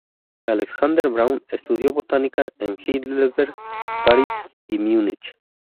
Alexander Braun estudió botánica en Heidelberg, París y Múnich.